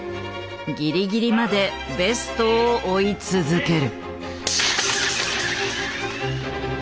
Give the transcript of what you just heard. ギリギリまでベストを追い続ける。